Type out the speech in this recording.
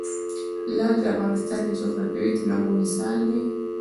لعل د افغانستان د جغرافیوي تنوع مثال دی.